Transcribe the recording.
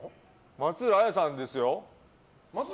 松浦亜弥さんですよ。